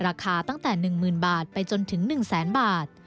ราคาตั้งแต่๑๐๐๐บาทไปจนถึง๑แสนบาท